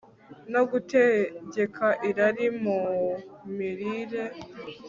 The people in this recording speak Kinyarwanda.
no Gutegeka Irari mu Mirire